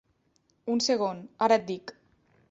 Un segon ara et dic.